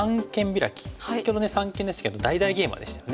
先ほどね三間でしたけど大々ゲイマでしたよね。